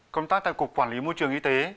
công tác tại cục quản lý môn